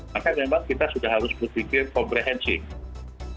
maka memang kita sudah harus berpikir komprehensif